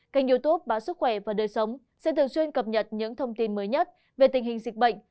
kênh youtube báo sức khỏe và đời sống sẽ thường xuyên cập nhật những thông tin mới nhất về tình hình dịch bệnh